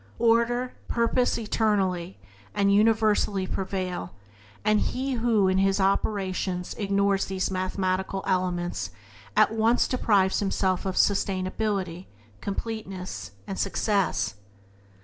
Order, definiteness, purpose eternally and universally prevail, and he who in his operations ignores these mathematical elements at once deprives himself of substantiality, completeness, success.